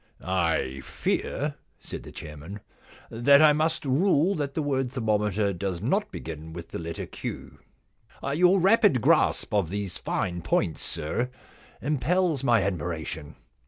* I fear/ said the chairman, * that I must rule that the word thermometer does not begin with the letter Q.* * Your rapid grasp of these fine points, sir, impels my admiration.